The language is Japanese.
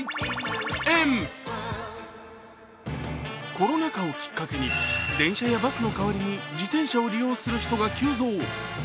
コロナ禍をきっかけに電車やバスの代わりに自転車を利用する人が急増。